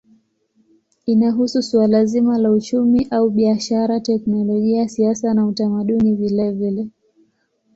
Inahusu suala zima la uchumi au biashara, teknolojia, siasa na utamaduni vilevile.